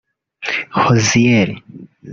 Hozier